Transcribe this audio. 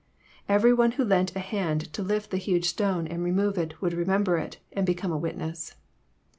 Every one who lent a hand to lift the huge stone and remove it would remember it, and become a witness.